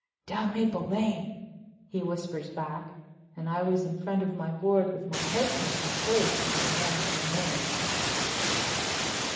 "Down Maple Lane," he whispers back, and I was in front of my board with my headpiece in place when the man came in.